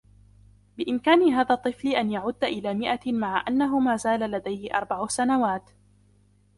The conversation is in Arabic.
بإمكان هذا الطفل أن يعد إلى مئة مع أنه ما زال لديه أربع سنوات.